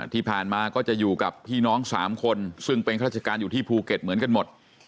ที่ผ่านมาก็จะอยู่กับพี่น้อง๓คนซึ่งเป็นข้าราชการอยู่ที่ภูเก็ตเหมือนกันหมด